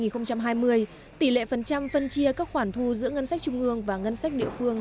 từ năm hai nghìn hai mươi tỷ lệ phần trăm phân chia các khoản thu giữa ngân sách trung ương và ngân sách địa phương